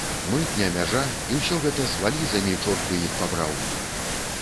Мытня, мяжа, і ўсё гэта з валізамі, чорт бы іх пабраў!